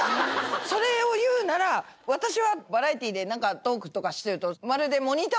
それをいうなら私はバラエティーでトークとかしてるとまるで。